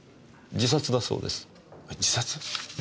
自殺？